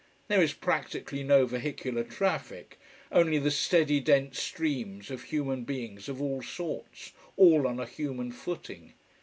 There is practically no vehicular traffic only the steady dense streams of human beings of all sorts, all on a human footing.